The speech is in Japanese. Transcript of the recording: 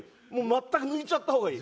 抜いちゃった方がいい。